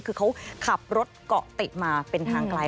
คือเขาขับรถเกาะติดมาเป็นทางไกล